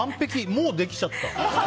もうできちゃった。